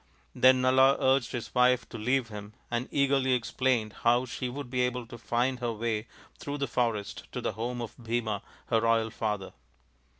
Then Nala urged his NALA THE GAMESTER 129 wife to leave him, and eagerly explained how she would be able to find her way through the forest to the home of Bhima, her royal father.